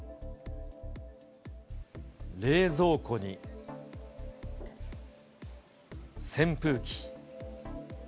冷蔵庫に、扇風機。